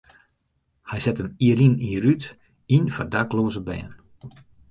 Hy set him jier yn jier út yn foar dakleaze bern.